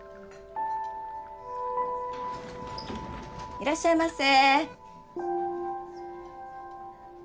いらっしゃいませ。